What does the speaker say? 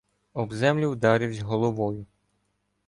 Об землю вдаривсь головою